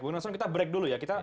mungkin langsung kita break dulu ya